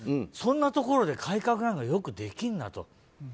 そんなところで改革なんてよくできるなと。